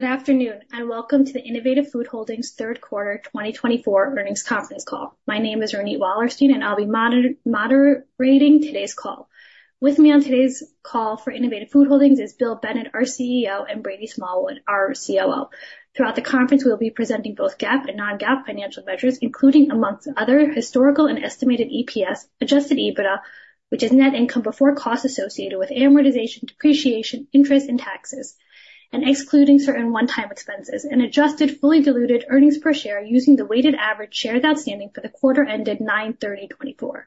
Good afternoon and welcome to the Innovative Food Holdings third quarter 2024 earnings conference call. My name is Ronit Wallerstein, and I'll be moderating today's call. With me on today's call for Innovative Food Holdings is Bill Bennett, our CEO, and Brady Smallwood, our COO. Throughout the conference, we'll be presenting both GAAP and non-GAAP financial measures, including, amongst other, historical and estimated EPS, adjusted EBITDA, which is net income before costs associated with amortization, depreciation, interest, and taxes, and excluding certain one-time expenses, and adjusted fully diluted earnings per share using the weighted average shares outstanding for the quarter ended 9/30/2024.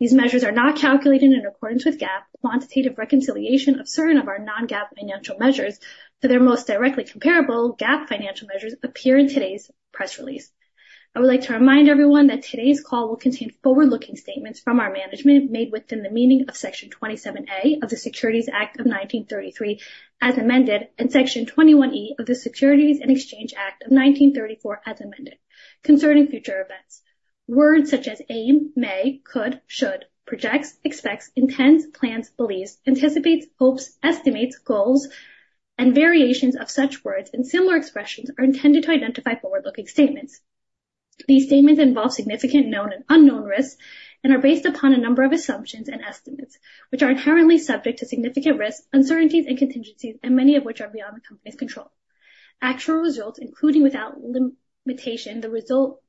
These measures are not calculated in accordance with GAAP. Quantitative reconciliation of certain of our non-GAAP financial measures to the most directly comparable GAAP financial measures appear in today's press release. I would like to remind everyone that today's call will contain forward-looking statements from our management made within the meaning of Section 27A of the Securities Act of 1933 as amended and Section 21E of the Securities and Exchange Act of 1934 as amended, concerning future events. Words such as aim, may, could, should, projects, expects, intends, plans, believes, anticipates, hopes, estimates, goals, and variations of such words and similar expressions are intended to identify forward-looking statements. These statements involve significant known and unknown risks and are based upon a number of assumptions and estimates, which are inherently subject to significant risks, uncertainties, and contingencies, and many of which are beyond the company's control. Actual results, including without limitation, the results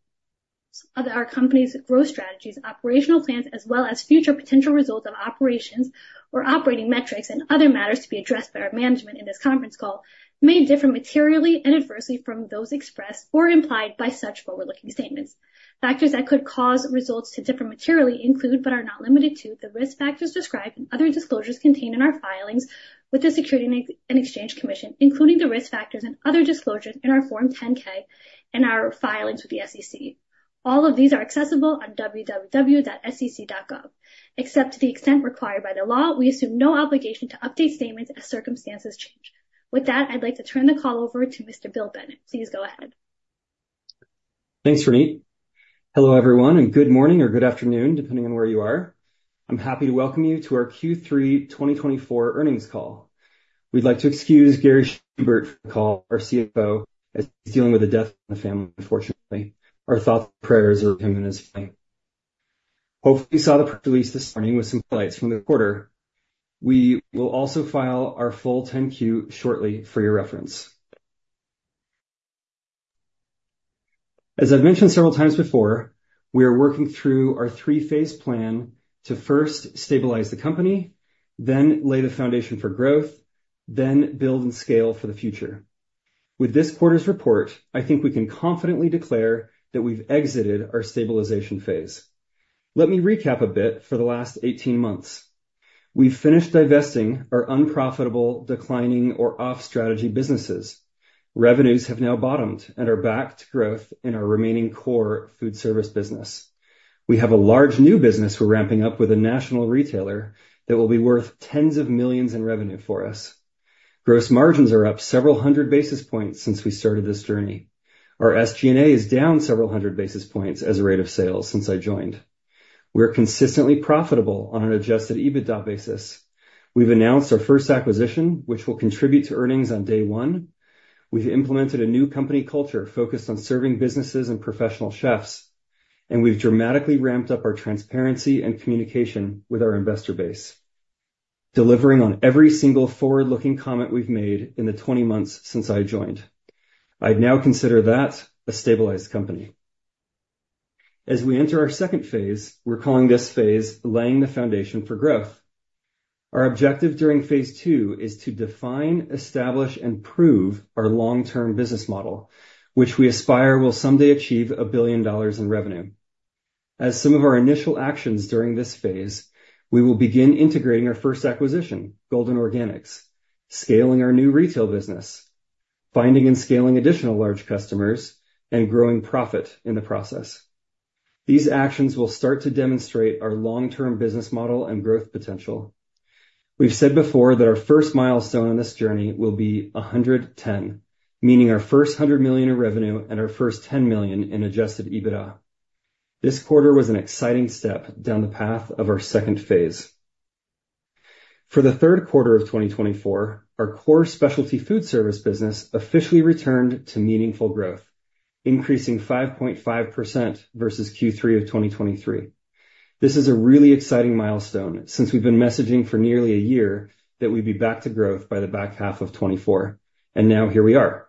of our company's growth strategies, operational plans, as well as future potential results of operations or operating metrics and other matters to be addressed by our management in this conference call, may differ materially and adversely from those expressed or implied by such forward-looking statements. Factors that could cause results to differ materially include, but are not limited to, the risk factors described in other disclosures contained in our filings with the Securities and Exchange Commission, including the risk factors and other disclosures in our Form 10-K and our filings with the SEC. All of these are accessible on www.sec.gov. Except to the extent required by the law, we assume no obligation to update statements as circumstances change. With that, I'd like to turn the call over to Mr. Bill Bennett. Please go ahead. Thanks, Ronit. Hello everyone, and good morning or good afternoon, depending on where you are. I'm happy to welcome you to our Q3 2024 earnings call. We'd like to excuse Gary Schubert for the call, our CFO, as he's dealing with a death in the family, unfortunately. Our thoughts and prayers are with him and his family. Hopefully, you saw the press release this morning with some highlights from the quarter. We will also file our full 10-Q shortly for your reference. As I've mentioned several times before, we are working through our three-phase plan to first stabilize the company, then lay the foundation for growth, then build and scale for the future. With this quarter's report, I think we can confidently declare that we've exited our stabilization phase. Let me recap a bit for the last 18 months. We've finished divesting our unprofitable, declining, or off-strategy businesses. Revenues have now bottomed and are back to growth in our remaining core food service business. We have a large new business we're ramping up with a national retailer that will be worth tens of millions in revenue for us. Gross margins are up several hundred basis points since we started this journey. Our SG&A is down several hundred basis points as a rate of sales since I joined. We're consistently profitable on an adjusted EBITDA basis. We've announced our first acquisition, which will contribute to earnings on day one. We've implemented a new company culture focused on serving businesses and professional chefs, and we've dramatically ramped up our transparency and communication with our investor base, delivering on every single forward-looking comment we've made in the 20 months since I joined. I'd now consider that a stabilized company. As we enter our second phase, we're calling this phase laying the foundation for growth. Our objective during phase two is to define, establish, and prove our long-term business model, which we aspire will someday achieve $1 billion in revenue. As some of our initial actions during this phase, we will begin integrating our first acquisition, Golden Organics, scaling our new retail business, finding and scaling additional large customers, and growing profit in the process. These actions will start to demonstrate our long-term business model and growth potential. We've said before that our first milestone on this journey will be 110, meaning our first $100 million in revenue and our first $10 million in adjusted EBITDA. This quarter was an exciting step down the path of our second phase. For the third quarter of 2024, our core specialty food service business officially returned to meaningful growth, increasing 5.5% versus Q3 of 2023. This is a really exciting milestone since we've been messaging for nearly a year that we'd be back to growth by the back half of 2024, and now here we are.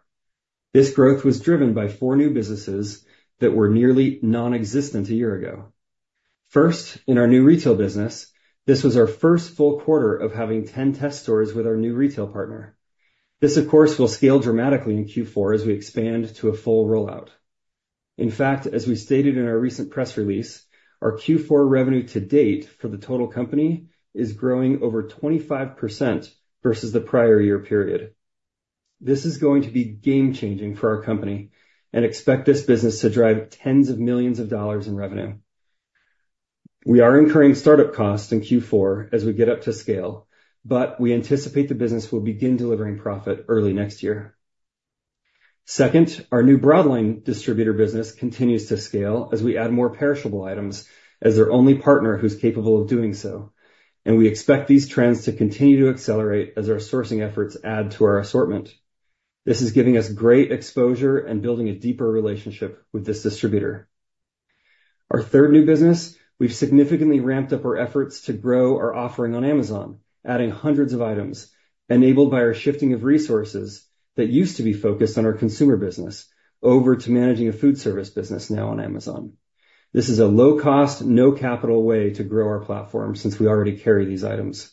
This growth was driven by four new businesses that were nearly nonexistent a year ago. First, in our new retail business, this was our first full quarter of having 10 test stores with our new retail partner. This, of course, will scale dramatically in Q4 as we expand to a full rollout. In fact, as we stated in our recent press release, our Q4 revenue to date for the total company is growing over 25% versus the prior year period. This is going to be game-changing for our company, and expect this business to drive tens of millions of dollars in revenue. We are incurring startup costs in Q4 as we get up to scale, but we anticipate the business will begin delivering profit early next year. Second, our new broadline distributor business continues to scale as we add more perishable items as our only partner who's capable of doing so, and we expect these trends to continue to accelerate as our sourcing efforts add to our assortment. This is giving us great exposure and building a deeper relationship with this distributor. Our third new business, we've significantly ramped up our efforts to grow our offering on Amazon, adding hundreds of items, enabled by our shifting of resources that used to be focused on our consumer business over to managing a food service business now on Amazon. This is a low-cost, no-capital way to grow our platform since we already carry these items.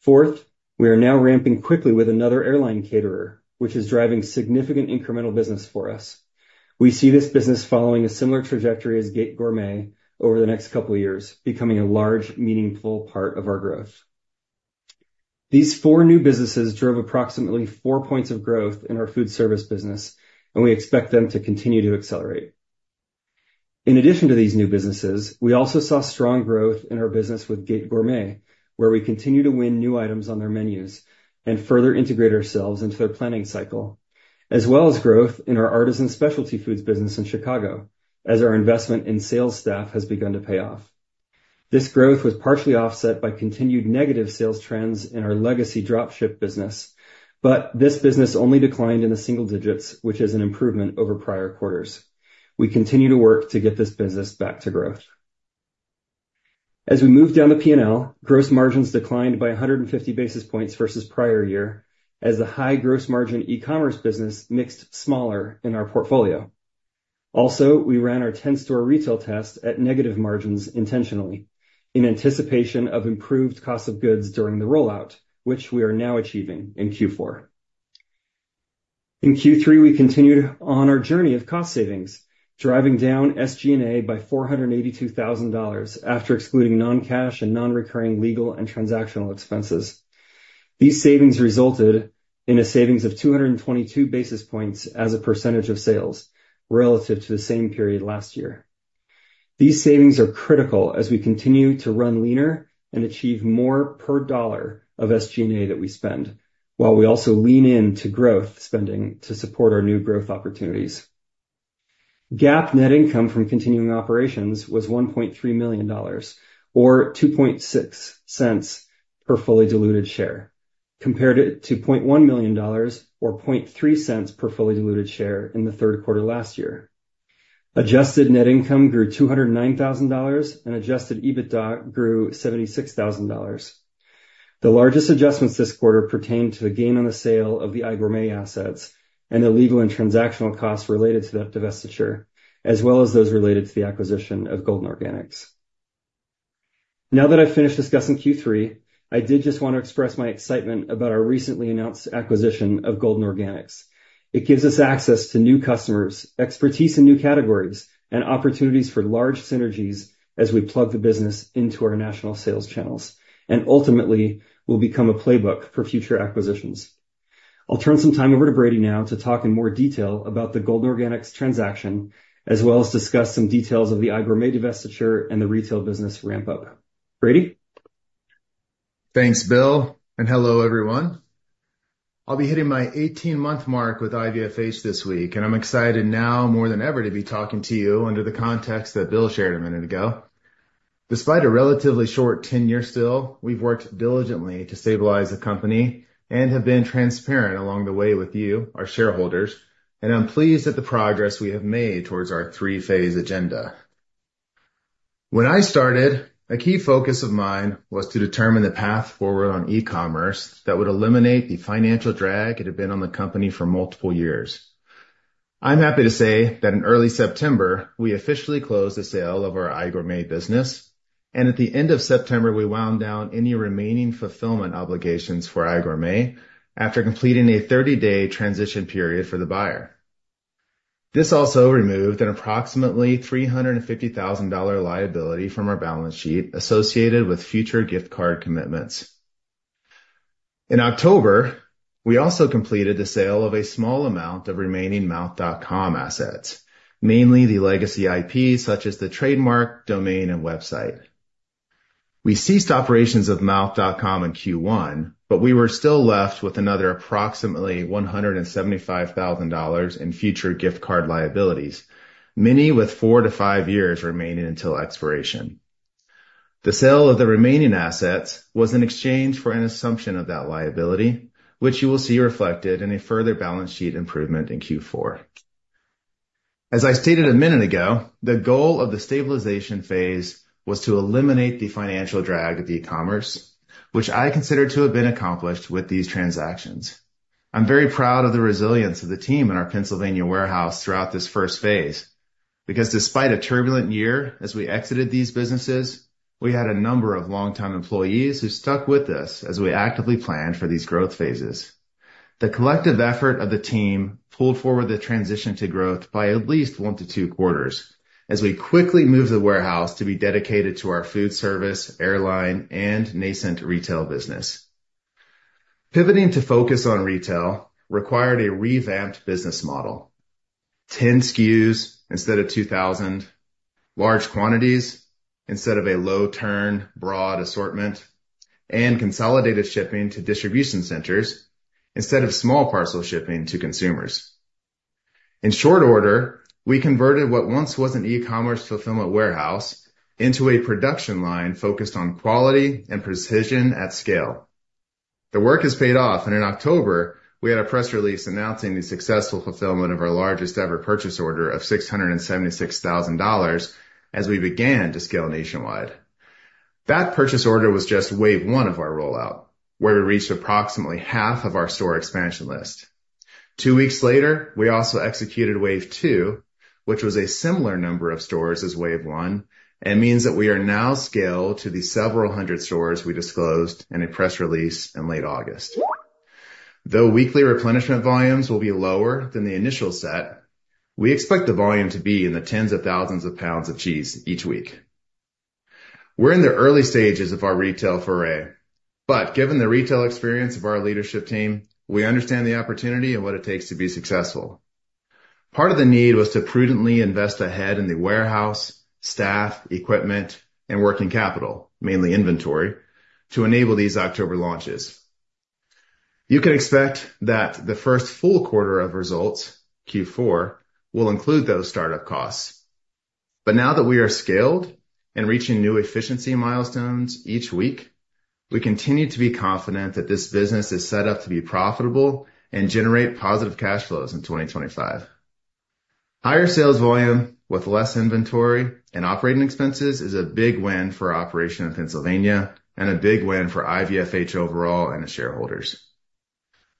Fourth, we are now ramping quickly with another airline caterer, which is driving significant incremental business for us. We see this business following a similar trajectory as Gate Gourmet over the next couple of years, becoming a large, meaningful part of our growth. These four new businesses drove approximately four points of growth in our food service business, and we expect them to continue to accelerate. In addition to these new businesses, we also saw strong growth in our business with Gate Gourmet, where we continue to win new items on their menus and further integrate ourselves into their planning cycle, as well as growth in our Artisan Specialty Foods business in Chicago, as our investment in sales staff has begun to pay off. This growth was partially offset by continued negative sales trends in our legacy dropship business, but this business only declined in the single digits, which is an improvement over prior quarters. We continue to work to get this business back to growth. As we moved down the P&L, gross margins declined by 150 basis points versus prior year, as the high gross margin e-commerce business mixed smaller in our portfolio. Also, we ran our 10-store retail test at negative margins intentionally in anticipation of improved costs of goods during the rollout, which we are now achieving in Q4. In Q3, we continued on our journey of cost savings, driving down SG&A by $482,000 after excluding non-cash and non-recurring legal and transactional expenses. These savings resulted in a savings of 222 basis points as a percentage of sales relative to the same period last year. These savings are critical as we continue to run leaner and achieve more per dollar of SG&A that we spend, while we also lean into growth spending to support our new growth opportunities. GAAP net income from continuing operations was $1.3 million, or $0.026 per fully diluted share, compared to $0.1 million, or $0.003 per fully diluted share in the third quarter last year. Adjusted net income grew $209,000, and adjusted EBITDA grew $76,000. The largest adjustments this quarter pertained to the gain on the sale of the iGourmet assets and the legal and transactional costs related to that divestiture, as well as those related to the acquisition of Golden Organics. Now that I've finished discussing Q3, I did just want to express my excitement about our recently announced acquisition of Golden Organics. It gives us access to new customers, expertise in new categories, and opportunities for large synergies as we plug the business into our national sales channels, and ultimately will become a playbook for future acquisitions. I'll turn some time over to Brady now to talk in more detail about the Golden Organics transaction, as well as discuss some details of the iGourmet divestiture and the retail business ramp-up. Brady? Thanks, Bill, and hello, everyone. I'll be hitting my 18-month mark with IVFH this week, and I'm excited now more than ever to be talking to you under the context that Bill shared a minute ago. Despite a relatively short tenure still, we've worked diligently to stabilize the company and have been transparent along the way with you, our shareholders, and I'm pleased at the progress we have made towards our three-phase agenda. When I started, a key focus of mine was to determine the path forward on e-commerce that would eliminate the financial drag it had been on the company for multiple years. I'm happy to say that in early September, we officially closed the sale of our iGourmet business, and at the end of September, we wound down any remaining fulfillment obligations for iGourmet after completing a 30-day transition period for the buyer. This also removed an approximately $350,000 liability from our balance sheet associated with future gift card commitments. In October, we also completed the sale of a small amount of remaining Mouth.com assets, mainly the legacy IPs such as the trademark, domain, and website. We ceased operations of Mouth.com in Q1, but we were still left with another approximately $175,000 in future gift card liabilities, many with 4-5 years remaining until expiration. The sale of the remaining assets was in exchange for an assumption of that liability, which you will see reflected in a further balance sheet improvement in Q4. As I stated a minute ago, the goal of the stabilization phase was to eliminate the financial drag of the e-commerce, which I consider to have been accomplished with these transactions. I'm very proud of the resilience of the team in our Pennsylvania warehouse throughout this first phase because, despite a turbulent year as we exited these businesses, we had a number of long-time employees who stuck with us as we actively planned for these growth phases. The collective effort of the team pulled forward the transition to growth by at least 1-2 quarters as we quickly moved the warehouse to be dedicated to our food service, airline, and nascent retail business. Pivoting to focus on retail required a revamped business model: 10 SKUs instead of 2,000, large quantities instead of a low-turn, broad assortment, and consolidated shipping to distribution centers instead of small parcel shipping to consumers. In short order, we converted what once was an e-commerce fulfillment warehouse into a production line focused on quality and precision at scale. The work has paid off, and in October, we had a press release announcing the successful fulfillment of our largest-ever purchase order of $676,000 as we began to scale nationwide. That purchase order was just wave one of our rollout, where we reached approximately half of our store expansion list. Two weeks later, we also executed wave two, which was a similar number of stores as wave one, and means that we are now scaled to the several hundred stores we disclosed in a press release in late August. Though weekly replenishment volumes will be lower than the initial set, we expect the volume to be in the tens of thousands of pounds of cheese each week. We're in the early stages of our retail foray, but given the retail experience of our leadership team, we understand the opportunity and what it takes to be successful. Part of the need was to prudently invest ahead in the warehouse, staff, equipment, and working capital, mainly inventory, to enable these October launches. You can expect that the first full quarter of results, Q4, will include those startup costs. But now that we are scaled and reaching new efficiency milestones each week, we continue to be confident that this business is set up to be profitable and generate positive cash flows in 2025. Higher sales volume with less inventory and operating expenses is a big win for operations in Pennsylvania and a big win for IVFH overall and the shareholders.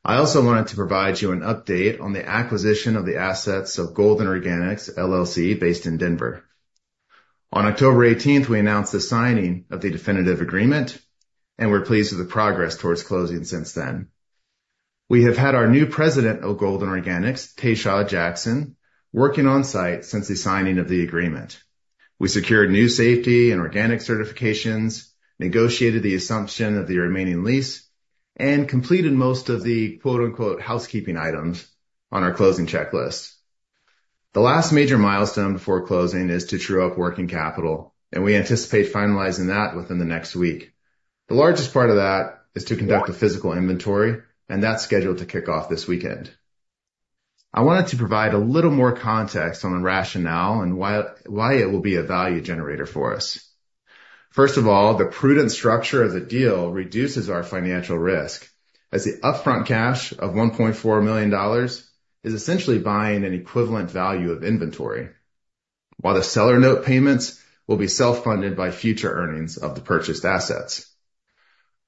I also wanted to provide you an update on the acquisition of the assets of Golden Organics, LLC, based in Denver. On October 18th, we announced the signing of the definitive agreement, and we're pleased with the progress towards closing since then. We have had our new President of Golden Organics, Taeshaud Jackson, working on site since the signing of the agreement. We secured new safety and organic certifications, negotiated the assumption of the remaining lease, and completed most of the "housekeeping items" on our closing checklist. The last major milestone before closing is to true up working capital, and we anticipate finalizing that within the next week. The largest part of that is to conduct a physical inventory, and that's scheduled to kick off this weekend. I wanted to provide a little more context on the rationale and why it will be a value generator for us. First of all, the prudent structure of the deal reduces our financial risk, as the upfront cash of $1.4 million is essentially buying an equivalent value of inventory, while the seller note payments will be self-funded by future earnings of the purchased assets.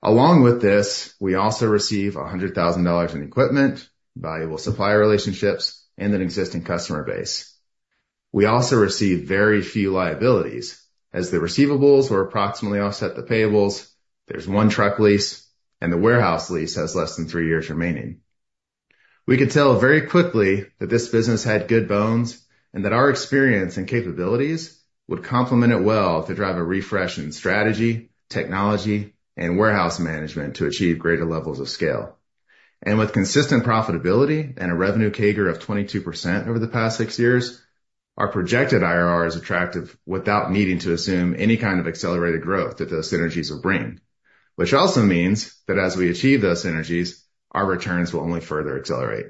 Along with this, we also receive $100,000 in equipment, valuable supplier relationships, and an existing customer base. We also receive very few liabilities, as the receivables were approximately offset the payables, there's one truck lease, and the warehouse lease has less than three years remaining. We could tell very quickly that this business had good bones and that our experience and capabilities would complement it well to drive a refresh in strategy, technology, and warehouse management to achieve greater levels of scale, and with consistent profitability and a revenue CAGR of 22% over the past six years, our projected IRR is attractive without needing to assume any kind of accelerated growth that those synergies will bring, which also means that as we achieve those synergies, our returns will only further accelerate.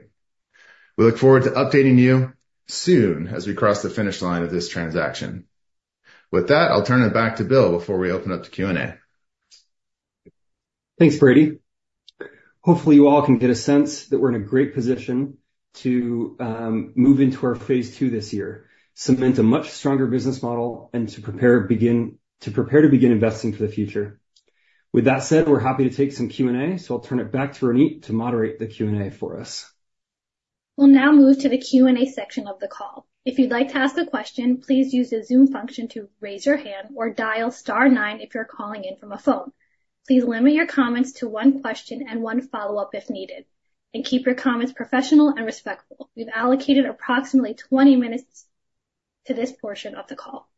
We look forward to updating you soon as we cross the finish line of this transaction. With that, I'll turn it back to Bill before we open up to Q&A. Thanks, Brady. Hopefully, you all can get a sense that we're in a great position to move into our phase two this year, cement a much stronger business model, and to prepare to begin investing for the future. With that said, we're happy to take some Q&A, so I'll turn it back to Ronit to moderate the Q&A for us. We'll now move to the Q&A section of the call. If you'd like to ask a question, please use the Zoom function to raise your hand or dial star nine if you're calling in from a phone. Please limit your comments to one question and one follow-up if needed, and keep your comments professional and respectful. We've allocated approximately 20 minutes to this portion of the call.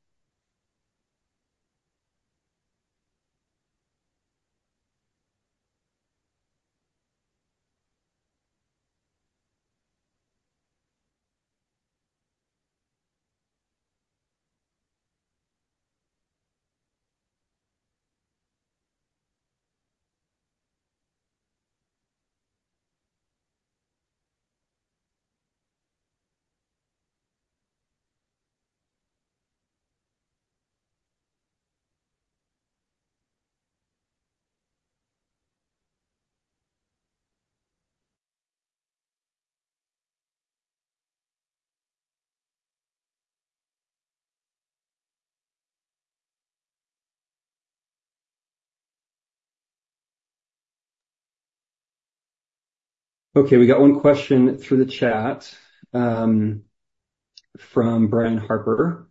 Okay, we got one question through the chat from Brian Harper.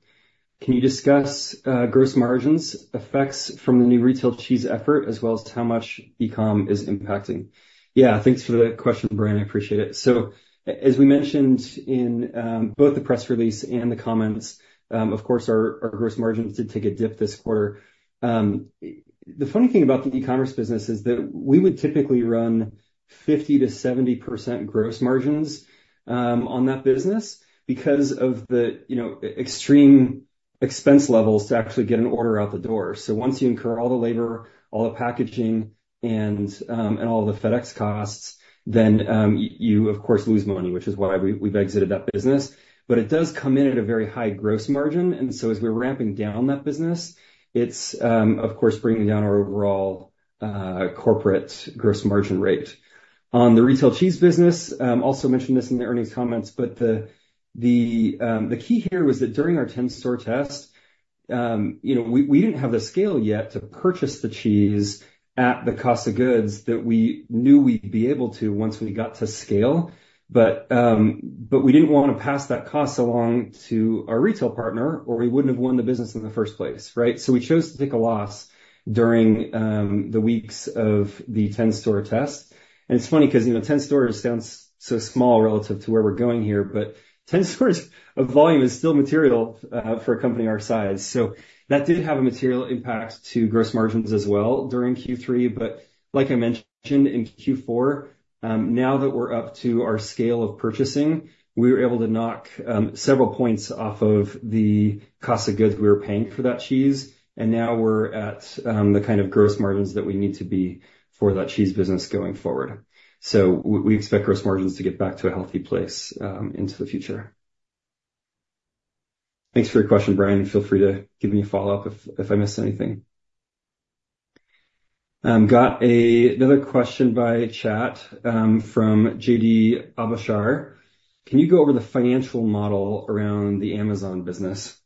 Can you discuss gross margins effects from the new retail cheese effort, as well as how much e-com is impacting? Yeah, thanks for the question, Brian. I appreciate it. So, as we mentioned in both the press release and the comments, of course, our gross margins did take a dip this quarter. The funny thing about the e-commerce business is that we would typically run 50%-70% gross margins on that business because of the extreme expense levels to actually get an order out the door. So, once you incur all the labor, all the packaging, and all the FedEx costs, then you, of course, lose money, which is why we've exited that business. But it does come in at a very high gross margin. As we're ramping down that business, it's, of course, bringing down our overall corporate gross margin rate. On the retail cheese business, I also mentioned this in the earnings comments, but the key here was that during our 10-store test, we didn't have the scale yet to purchase the cheese at the cost of goods that we knew we'd be able to once we got to scale. But we didn't want to pass that cost along to our retail partner, or we wouldn't have won the business in the first place, right? So, we chose to take a loss during the weeks of the 10-store test. And it's funny because 10 stores sound so small relative to where we're going here, but 10 stores of volume is still material for a company our size. So, that did have a material impact to gross margins as well during Q3. But like I mentioned in Q4, now that we're up to our scale of purchasing, we were able to knock several points off of the cost of goods we were paying for that cheese. And now we're at the kind of gross margins that we need to be for that cheese business going forward. So, we expect gross margins to get back to a healthy place into the future. Thanks for your question, Brian. Feel free to give me a follow-up if I missed anything. Got another question by chat from JD Abouchar. Can you go over the financial model around the Amazon business?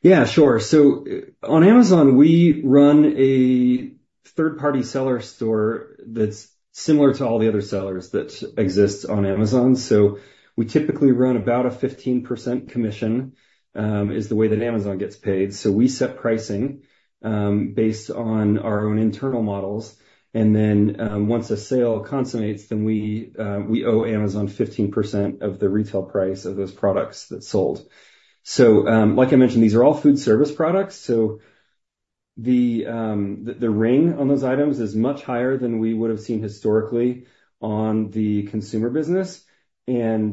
Yeah, sure. So, on Amazon, we run a third-party seller store that's similar to all the other sellers that exist on Amazon. So, we typically run about a 15% commission is the way that Amazon gets paid. So, we set pricing based on our own internal models. And then, once a sale consummates, then we owe Amazon 15% of the retail price of those products that sold. So, like I mentioned, these are all food service products. So, the ring on those items is much higher than we would have seen historically on the consumer business. And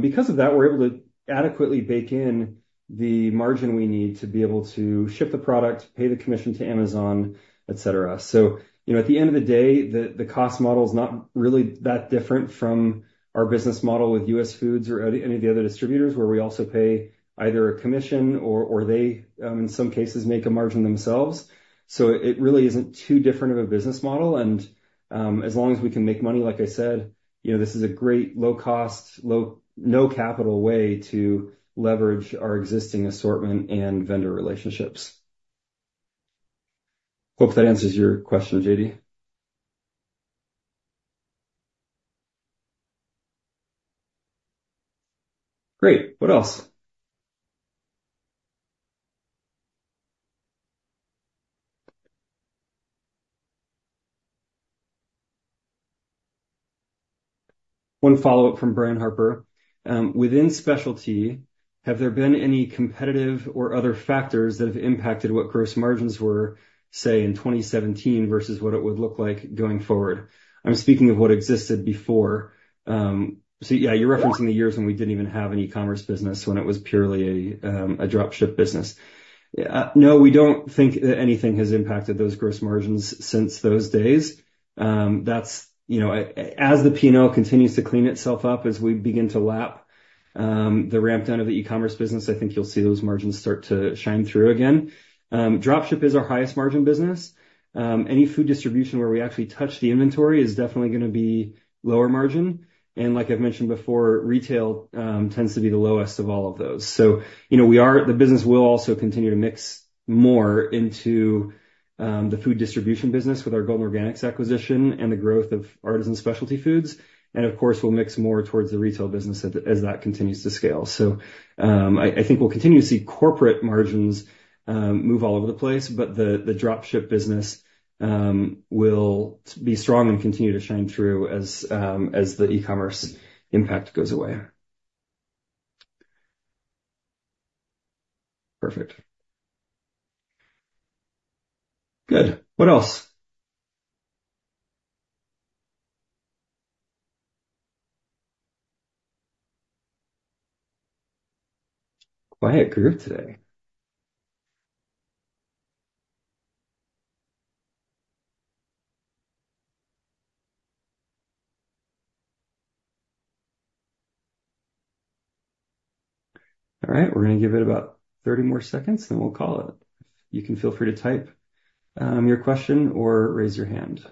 because of that, we're able to adequately bake in the margin we need to be able to ship the product, pay the commission to Amazon, etc. So, at the end of the day, the cost model is not really that different from our business model with US Foods or any of the other distributors, where we also pay either a commission or they, in some cases, make a margin themselves. So, it really isn't too different of a business model. And as long as we can make money, like I said, this is a great low-cost, no-capital way to leverage our existing assortment and vendor relationships. Hope that answers your question, JD. Great. What else? One follow-up from Brian Harper. Within specialty, have there been any competitive or other factors that have impacted what gross margins were, say, in 2017 versus what it would look like going forward? I'm speaking of what existed before. So, yeah, you're referencing the years when we didn't even have an e-commerce business, when it was purely a dropship business. No, we don't think that anything has impacted those gross margins since those days. As the P&L continues to clean itself up as we begin to lap the ramp down of the e-commerce business, I think you'll see those margins start to shine through again. Dropship is our highest margin business. Any food distribution where we actually touch the inventory is definitely going to be lower margin, and like I've mentioned before, retail tends to be the lowest of all of those, so the business will also continue to mix more into the food distribution business with our Golden Organics acquisition and the growth of Artisan Specialty Foods. And of course, we'll mix more towards the retail business as that continues to scale, so I think we'll continue to see corporate margins move all over the place, but the dropship business will be strong and continue to shine through as the e-commerce impact goes away. Perfect. Good. What else? Quiet group today. All right. We're going to give it about 30 more seconds, and then we'll call it. You can feel free to type your question or raise your hand.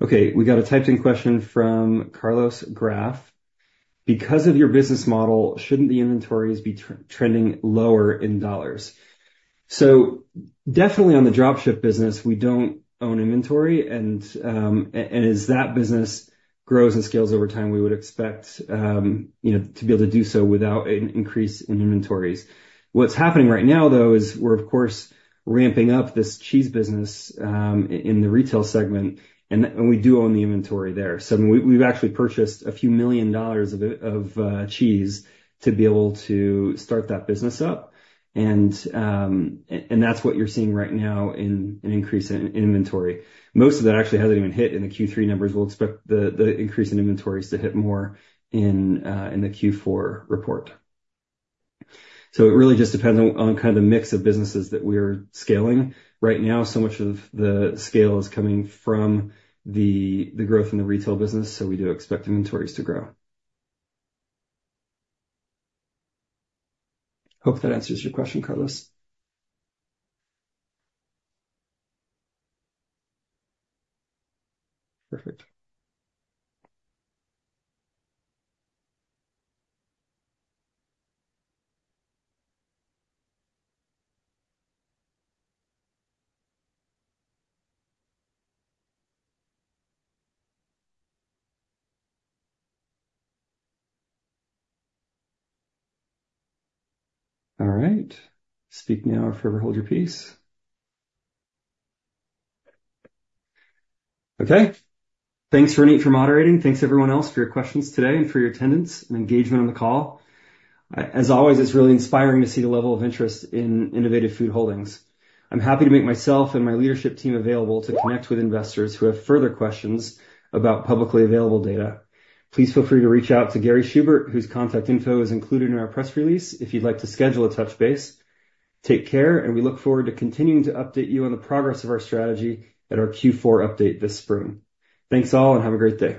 Okay. We got a typed-in question from Carlos Graff. Because of your business model, shouldn't the inventories be trending lower in dollars? So, definitely on the dropship business, we don't own inventory. And as that business grows and scales over time, we would expect to be able to do so without an increase in inventories. What's happening right now, though, is we're, of course, ramping up this cheese business in the retail segment, and we do own the inventory there. So, we've actually purchased a few million dollars of cheese to be able to start that business up. And that's what you're seeing right now in an increase in inventory. Most of that actually hasn't even hit in the Q3 numbers. We'll expect the increase in inventories to hit more in the Q4 report. So, it really just depends on kind of the mix of businesses that we're scaling. Right now, so much of the scale is coming from the growth in the retail business, so we do expect inventories to grow. Hope that answers your question, Carlos. Perfect. All right. Speak now if you ever hold your peace. Okay. Thanks, Ronit, for moderating. Thanks, everyone else, for your questions today and for your attendance and engagement on the call. As always, it's really inspiring to see the level of interest in Innovative Food Holdings. I'm happy to make myself and my leadership team available to connect with investors who have further questions about publicly available data. Please feel free to reach out to Gary Schubert, whose contact info is included in our press release if you'd like to schedule a touch base. Take care, and we look forward to continuing to update you on the progress of our strategy at our Q4 update this spring. Thanks all, and have a great day.